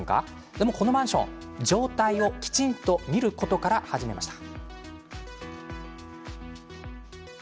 でも、このマンション状態をきちんと見ることから始めました。